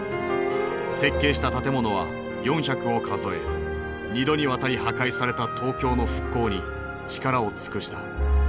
設計した建物は４００を数え２度にわたり破壊された東京の復興に力を尽くした。